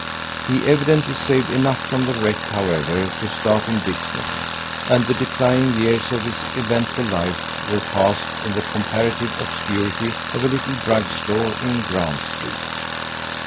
He evidently saved enough from the wreck, however, to start in business, and the declining years of his eventful life were passed in the comparative obscurity of a little drug store in Grand Street.